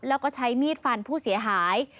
แล้วก็ใช้มีดฟันผู้เสียหาย